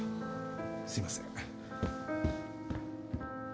すいません。